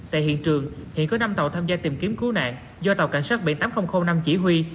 tại hiện trường hiện có năm tàu tham gia tìm kiếm cứu nạn do tàu cảnh sát biển tám nghìn năm chỉ huy